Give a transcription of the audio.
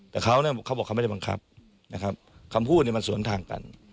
แต่เขาเนี่ยเขาบอกเขาไม่ได้บังคับนะครับคำพูดเนี่ยมันสวนทางกัน